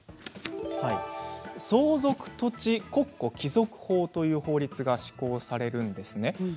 相続土地国庫帰属法という法律が施行されるんですね。